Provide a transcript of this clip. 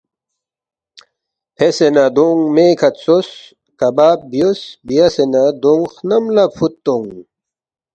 فیسے نہ دونگ مےکھہ ژوس، کباب بیوس، بیاسے نہ دونگ خنم لہ فُود تونگ